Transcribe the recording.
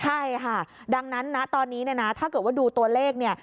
ใช่ค่ะดังนั้นนะตอนนี้เนี่ยนะถ้าเกิดว่าดูตัวเลขเนี่ย